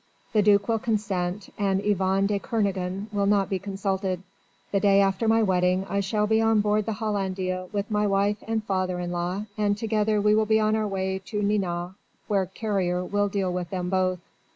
The duke will consent and Yvonne de Kernogan will not be consulted. The day after my wedding I shall be on board the Hollandia with my wife and father in law, and together we will be on our way to Nantes where Carrier will deal with them both."